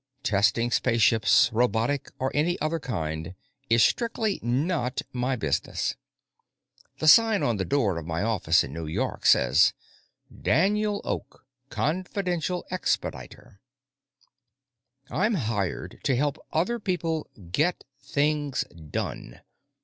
Testing spaceships, robotic or any other kind, is strictly not my business. The sign on the door of my office in New York says: DANIEL OAK, Confidential Expediter; I'm hired to help other people Get Things Done.